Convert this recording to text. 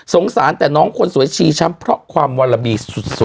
สารแต่น้องคนสวยชีช้ำเพราะความวารบีสุด